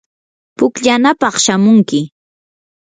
pukllanapaq shamunki.